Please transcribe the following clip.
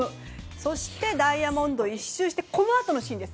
そしてダイヤモンド１周してこのあとのシーンです。